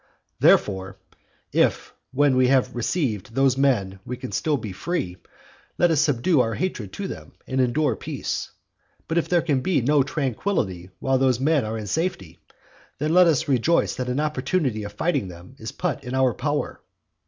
Therefore, if when we have received those men we can still be free, let us subdue our hatred to them, and endure peace, but if there can be no tranquillity while those men are in safety, then let us rejoice that an opportunity of fighting them is put in our power.